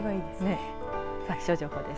気象情報です。